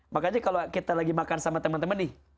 makanya kalau kita lagi makan sama teman teman nih